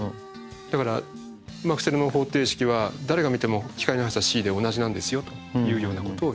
だからマクスウェルの方程式は誰が見ても光の速さｃで同じなんですよというようなことを言った。